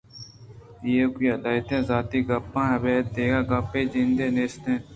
ایوکءَ لہتیں ذاتی گپاں ابید دگہ گپ ءِ جندے نیست اِنت